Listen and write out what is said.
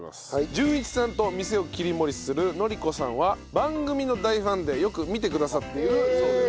淳一さんと店を切り盛りする宜子さんは番組の大ファンでよく見てくださっているそうです。